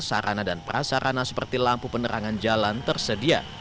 sarana dan prasarana seperti lampu penerangan jalan tersedia